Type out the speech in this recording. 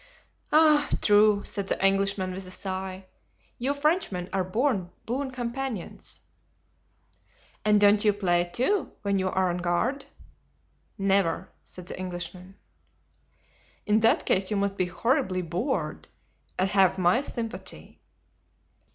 "Ah true," said the Englishman, with a sigh; "you Frenchmen are born boon companions." "And don't you play, too, when you are on guard?" "Never," said the Englishman. "In that case you must be horribly bored, and have my sympathy."